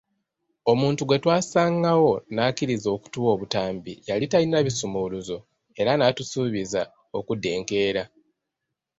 Omuntu gwe twasangawo n'akkiriza okutuwa obutambi yali talina bisumuluzo era n'atusuubizza okudda enkeera.